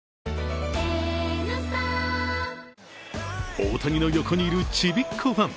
大谷の横にいるちびっ子ファン。